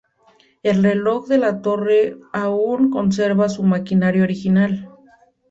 El reloj de la torre aún conserva su maquinaria original.